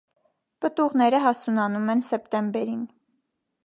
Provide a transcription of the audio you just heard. Պտուղները հասունանում են սեպտեմբերին։